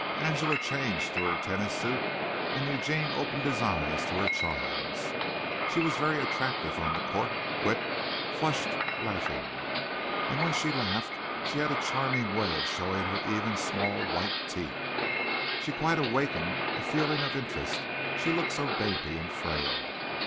Angela changed to her tennis suit and Eugene opened his eyes to her charms. She was very attractive on the court, quick, flushed, laughing. And when she laughed she had a charming way of showing her even, small, white teeth. She quite awakened a feeling of interest she looked so dainty and frail.